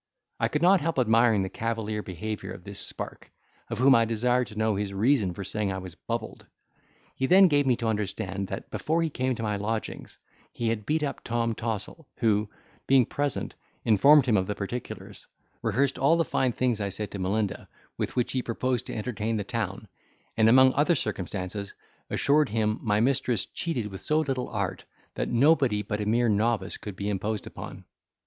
I could not help admiring the cavalier behaviour of this spark, of whom I desired to know his reason for saying I was bubbled. He then gave me to understand, that before he came to my lodgings, he had beat up Tom Tossle, who, being present, informed him of the particulars, rehearsed all the fine things I said to Melinda, with which he proposed to entertain the town, and among other circumstances, assured him my mistress cheated with so little art, that nobody but a mere novice could be imposed upon.